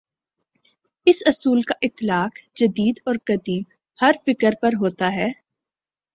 اس اصول کا اطلاق جدید اور قدیم، ہر فکرپر ہوتا ہے۔